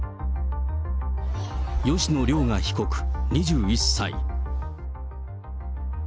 吉野凌雅被告２１歳。